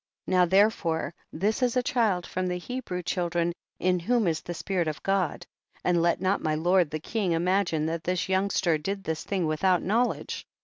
6. Now therefore this is a child from the Hebrew children, in whom is the spirit of God, and let not my lord the king imagine that this young ster did this thing without knowledge.